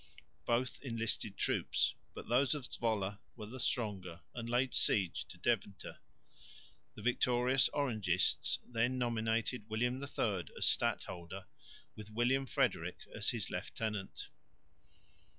Both enlisted troops, but those of Zwolle were the stronger and laid siege to Deventer. The victorious Orangists then nominated William III as stadholder with William Frederick as his lieutenant.